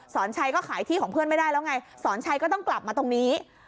สอนชัยก็ขายที่ของเพื่อนไม่ได้แล้วไงสอนชัยก็ต้องกลับมาตรงนี้